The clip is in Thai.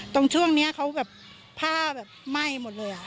ตรงช่วงนี้เขาแบบผ้าแบบไหม้หมดเลย